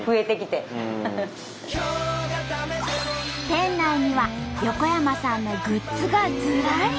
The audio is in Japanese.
店内には横山さんのグッズがずらり！